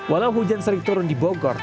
walau hujan sering turun di bogor